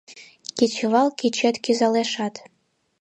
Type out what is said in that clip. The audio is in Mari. Кечывал кечет кӱзалешат